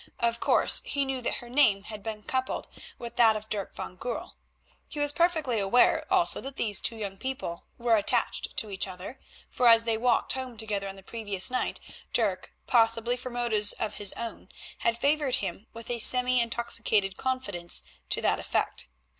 Of course, he knew that her name had been coupled with that of Dirk van Goorl. He was perfectly aware also that these two young people were attached to each other, for as they walked home together on the previous night Dirk, possibly for motives of his own, had favoured him with a semi intoxicated confidence to that effect.